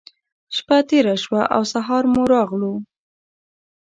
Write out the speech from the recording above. شپّه تېره شوه او سهار مو راغلو.